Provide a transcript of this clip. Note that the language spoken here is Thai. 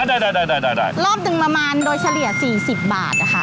ได้รอบหนึ่งประมาณโดยเฉลี่ย๔๐บาทนะคะ